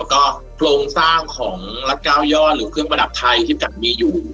แล้วก็โครงสร้างของรัฐเก้ายอดหรือเครื่องประดับไทยที่จัดมีอยู่